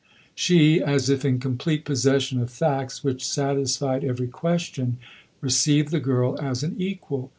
She, as if in complete possession of facts which satisfied every question, received the girl as an equal.